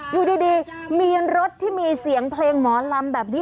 อยู่ดีมีรถที่มีเสียงเพลงหมอลำแบบนี้